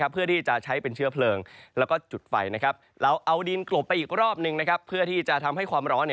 เพื่อที่จะใช้เป็นเชื้อเพลิงและส่วนจุดไฟ